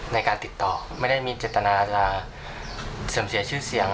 ในการติดต่อไม่ได้มีเจตนาจะเสื่อมเสียชื่อเสียง